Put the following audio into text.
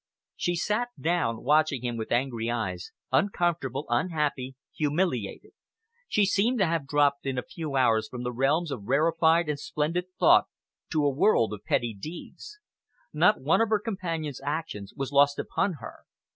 She sat down, watching him with angry eyes, uncomfortable, unhappy, humiliated. She seemed to have dropped in a few hours from the realms of rarefied and splendid thought to a world of petty deeds. Not one of her companion's actions was lost upon her.